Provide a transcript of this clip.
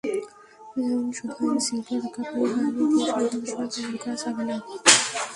যেমন শুধু আইনশৃঙ্খলা রক্ষাকারী বাহিনী দিয়ে সন্ত্রাসবাদ দমন করা যাবে না।